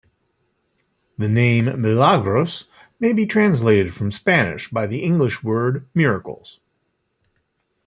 The name "Milagros" may be translated from Spanish by the English word, "miracles".